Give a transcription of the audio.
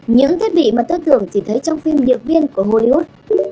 những thiết bị mà tư tưởng chỉ thấy trong phim điệp viên của hollywood